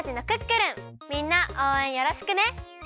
みんなおうえんよろしくね！